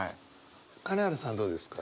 金原さんはどうですか？